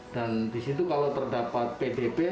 dan di situ kalau terdapat pdb